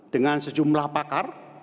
dengan sejumlah pakar